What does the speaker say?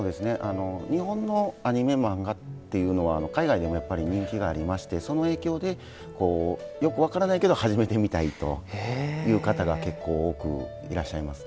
日本のアニメ漫画というのは海外でも人気がありましてその影響で、よく分からないけど始めてみたいという方が結構、多くいらっしゃいますね。